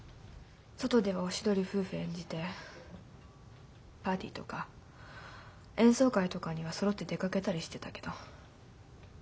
外ではおしどり夫婦演じてパーティーとか演奏会とかにはそろって出かけたりしてたけど。